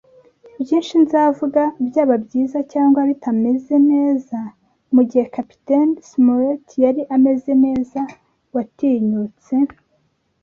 byinshi nzavuga, byaba byiza cyangwa bitameze neza: mugihe Kapiteni Smollett yari ameze neza, watinyutse